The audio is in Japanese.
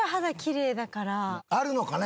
あるのかね？